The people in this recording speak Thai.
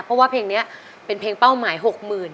เพราะว่าเพลงนี้เป็นเพลงเป้าหมาย๖๐๐๐บาท